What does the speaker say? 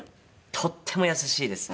とっても優しいです。